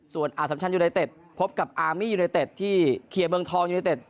ส่วนอาสัมชันยูไนเต็ดพบกับอาร์มี่ยูไนเต็ดที่เคลียร์เมืองทองยูเนเต็ด